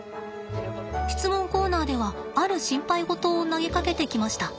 質問コーナーではある心配事を投げかけてきました。